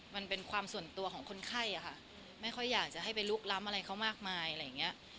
มันเป็นความส่วนตัวของคนไข้อะค่ะไม่ค่อยอยากจะให้ไปลุกล้ำอะไรเขามากมายอะไรอย่างเงี้ย